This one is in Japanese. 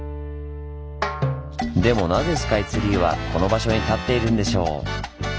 でもなぜスカイツリーはこの場所に立っているんでしょう？